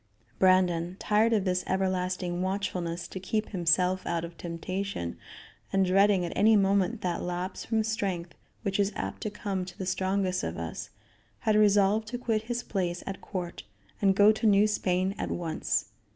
Brandon, tired of this everlasting watchfulness to keep himself out of temptation, and, dreading at any moment that lapse from strength which is apt to come to the strongest of us, had resolved to quit his place at court and go to New Spain at once.